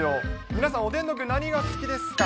皆さん、おでんの具、何が好きですか。